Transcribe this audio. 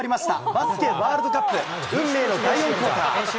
バスケワールドカップ、運命の第４クオーター。